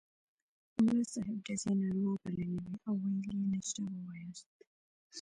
ملا صاحب ډزې ناروا بللې وې او ویل یې نشره ووایاست.